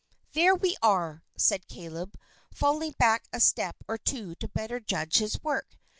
"There we are," said Caleb, falling back a step or two to better judge his work.